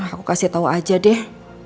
aku kasih tau aja deh